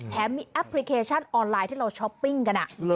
แถมมีแอปพลิเคชันออนไลน์ที่เราช้อปปิ้งกัน